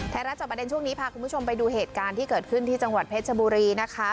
รับจอบประเด็นช่วงนี้พาคุณผู้ชมไปดูเหตุการณ์ที่เกิดขึ้นที่จังหวัดเพชรบุรีนะคะ